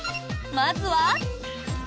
まずは。